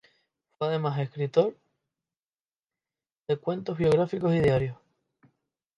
Fue además, escritor de cuentos, biografías y diarios.